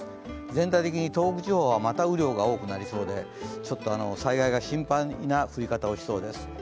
全体的に東北地方はまた雨量が多くなりそうで災害が心配な降り方をしそうです。